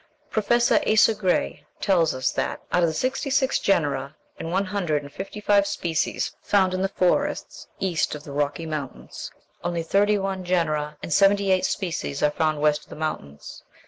Professor Asa Gray tells us that, out of sixty six genera and one hundred and fifty five species found in the forests cast of the Rocky Mountains, only thirty one genera and seventy eight species are found west of the mountains.